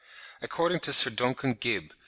According to Sir Duncan Gibb (28.